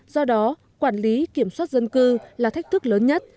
do đó quản lý kiểm soát dân cư là thách thức lớn nhất